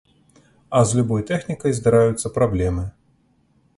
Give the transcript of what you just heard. А з любой тэхнікай здараюцца праблемы.